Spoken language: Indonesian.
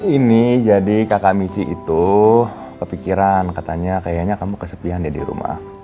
ini jadi kakak mici itu kepikiran katanya kayaknya kamu kesepian ya dirumah